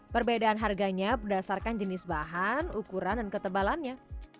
perbedaan harganya berdasarkan jenis bahan ukuran dan ketebalannya